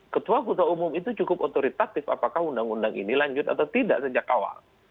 ketua ketua umum itu cukup otoritatif apakah undang undang ini lanjut atau tidak sejak awal